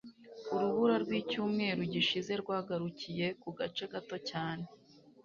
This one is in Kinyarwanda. Urubura rwicyumweru gishize rwagarukiye ku gace gato cyane.